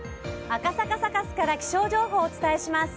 赤坂サカスから気象情報をお伝えします。